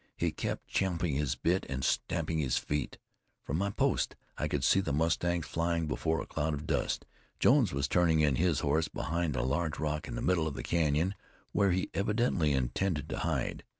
He kept champing his bit and stamping his feet. From my post I could see the mustangs flying before a cloud of dust. Jones was turning in his horse behind a large rock in the middle of the canyon, where he evidently intended to hide.